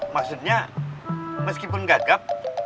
maksudnya meskipun gagap